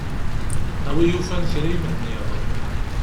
A wi yufan kra i m-nniɣ.